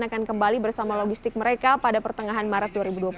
akan kembali bersama logistik mereka pada pertengahan maret dua ribu dua puluh satu